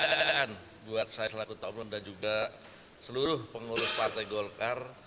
ini adalah suatu kebahagiaan buat saya selaku tahun dan juga seluruh pengurus partai golkar